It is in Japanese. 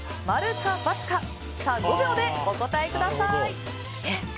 ○か×か、５秒でお答えください。